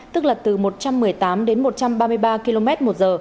tức là từ một trăm một mươi tám đến một trăm ba mươi ba km một giờ